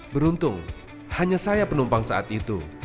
beruntung hanya saya penumpang saat itu